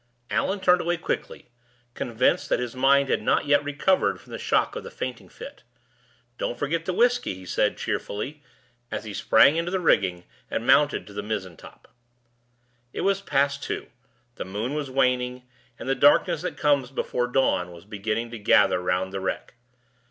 Allan turned away quickly, convinced that his mind had not yet recovered the shock of the fainting fit. "Don't forget the whisky!" he said, cheerfully, as he sprang into the rigging, and mounted to the mizzen top. It was past two, the moon was waning, and the darkness that comes before dawn was beginning to gather round the wreck.